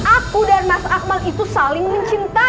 aku dan mas akmal itu saling mencintai